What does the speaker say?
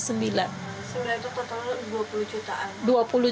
sudah itu total dua puluh jutaan